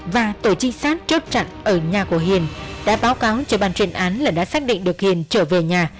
và tổ trinh sát chốt chặn ở nhà của hiền đã báo cáo cho bàn chuyên án là đã xác định được hiền trở về nhà